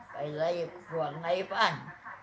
ไปไล่หัวไงบ้าน